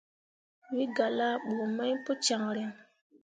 Wǝ gah laaɓu mai pu caŋryaŋ.